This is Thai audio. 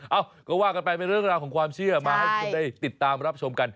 เอ้าก็ว่ากันไปเป็นเรื่องราวของความเชื่อมาให้คุณได้ติดตามรับชมกัน